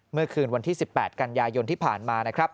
เมื่อคืนวันที่๑๘กันยายนที่ผ่านมานะครับ